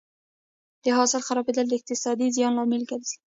د حاصل خرابېدل د اقتصادي زیان لامل ګرځي.